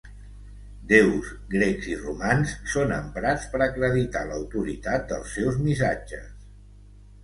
Déus grecs i romans són emprats per acreditar l’autoritat dels seus missatges.